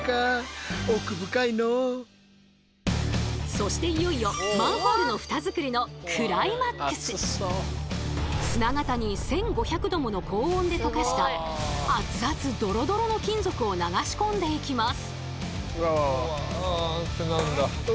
そしていよいよマンホールの砂型に１，５００℃もの高温で溶かした熱々ドロドロの金属を流しこんでいきます。